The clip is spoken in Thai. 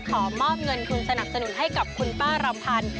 ขอมอบเงินทุนสนับสนุนให้กับคุณป้ารำพันธ์